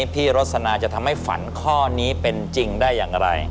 พี่รสนาจะทำให้ฝันข้อนี้เป็นจริงได้อย่างไร